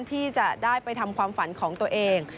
ที่จะได้ไปทำความฝันของตัวเอง